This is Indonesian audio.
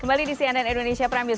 kembali di cnn indonesia prime news